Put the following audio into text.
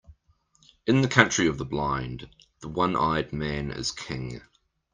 In the country of the blind, the one-eyed man is king.